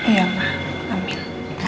iya mbak amin